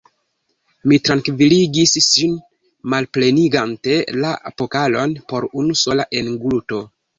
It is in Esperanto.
Mi trankviligis ŝin, malplenigante la pokalon per unu sola engluto.